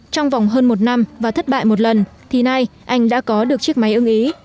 trong vòng hơn một năm và thất bại một lần thì nay anh đã có được chiếc máy ưng ý